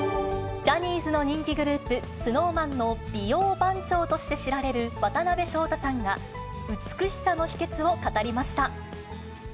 ジャニーズの人気グループ、ＳｎｏｗＭａｎの美容番長として知られる渡辺翔太さんが、美しさの秘けつを語りました。